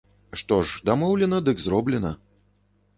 Што ж, дамоўлена, дык зроблена.